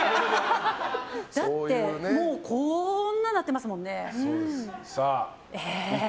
だってこーんなになってますもんね。